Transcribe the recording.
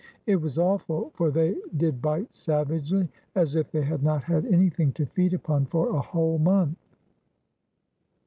It was awful, for they did bite savagely, as if they had not had anything to feed upon for a whole month.